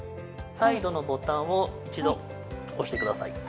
サイドのボタンを一度押してください。